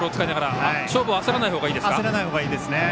勝負を焦らない方がいいですか。